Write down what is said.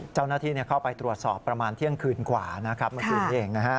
เจ้าหน้าที่เข้าไปตรวจสอบประมาณเที่ยงคืนกว่านะครับเมื่อคืนนี้เองนะฮะ